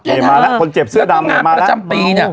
คนเจ็บเสื้อดำเห็นมาแล้ว